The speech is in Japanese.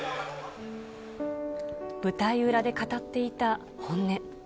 舞台裏で語っていた本音。